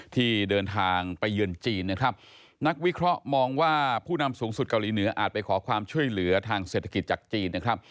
ที่เดินทางไปเยือนจีนนะครับนักวิเคราะห์มองว่าผู้นำสูงสุดเกาหลีเหนืออาจไปขอความช่วยเหลือทางเศรษฐกิจจากจีนนะครับ